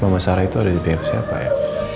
nama sarah itu ada di pihak siapa ya